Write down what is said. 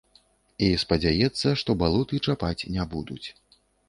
І спадзяецца, што балоты чапаць не будуць.